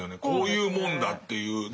こういうもんだっていう。